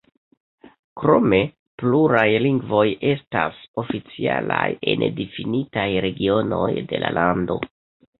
Krome pluraj lingvoj estas oficialaj en difinitaj regionoj de la lando.